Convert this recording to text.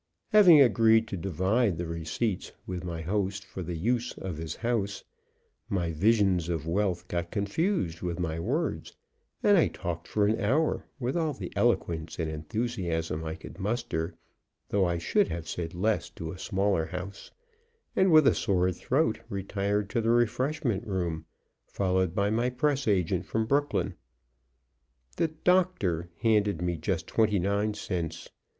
Having agreed to divide the receipts with my host for the use of his house, my visions of wealth got confused with my words, and I talked for an hour with all the eloquence and enthusiasm I could muster, though I should have said less to a smaller house, and with a sore throat retired to the refreshment room, followed by my press agent from Brooklyn. The "Doctor" handed me just twenty nine cents.